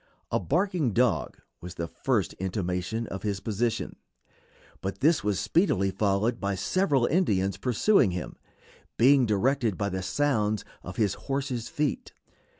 A barking dog was the first intimation of his position, but this was speedily followed by several Indians pursuing him, being directed by the sounds of his horse's feet.